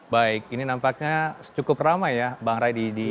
baik ini nampaknya sejumlah awak media akan bersiap untuk mengiringi ganjar